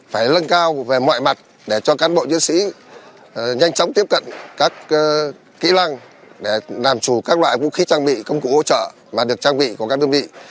phải lân cao về mọi mặt để cho cán bộ chiến sĩ nhanh chóng tiếp cận các kỹ năng để làm chủ các loại vũ khí trang bị công cụ hỗ trợ mà được trang bị của các đơn vị